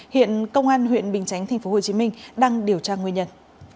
hiện công an huyện bình chánh tp hcm đang điều tra nguyên nhân